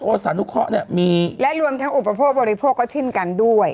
สานุเคาะเนี่ยมีและรวมทั้งอุปโภคบริโภคก็เช่นกันด้วย